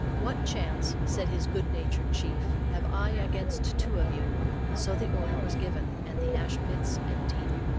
"What chance," said his good natured chief, "have I against two of you?" So the order was given, and the ash pits emptied.